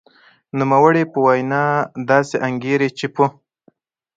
نوموړې په وینا داسې انګېري چې په